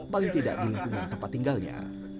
paling tidak di lingkungan tempat tinggalnya